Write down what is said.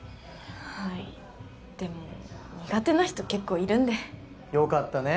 はいでも苦手な人結構いるんでよかったね